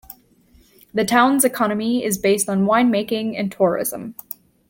The town's economy is based on wine making and tourism.